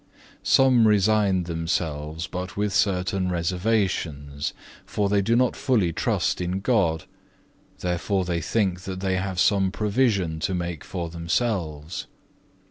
4. "Some resign themselves, but with certain reservations, for they do not fully trust in God, therefore they think that they have some provision to make for themselves.